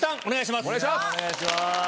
お願いします。